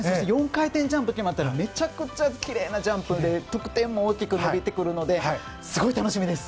４回転ジャンプ決まったのめちゃくちゃきれいなジャンプで得点も大きく伸びてくるのですごい楽しみです。